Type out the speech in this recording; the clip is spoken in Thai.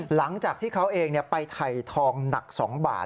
หลังจากที่เขาเองไปถ่ายทองหนัก๒บาท